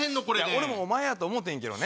俺もお前やと思うてんけどね。